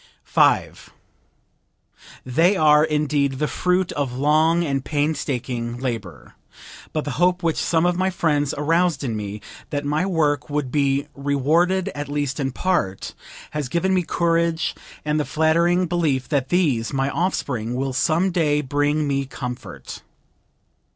"They are, indeed, the fruit of long and painstaking labor; but the hope which some of my friends aroused in me, that my work would be rewarded at least in part, has given me courage and the flattering belief that these, my offspring, will some day bring me comfort."